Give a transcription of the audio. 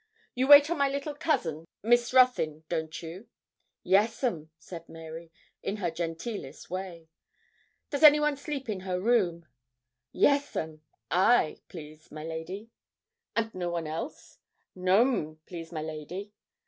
'You wait on my little cousin, Miss Ruthyn, don't you?' 'Yes, 'm,' said Mary, in her genteelest way. 'Does anyone sleep in her room?' 'Yes, 'm, I please, my lady.' 'And no one else?' 'No, 'm please, my lady.'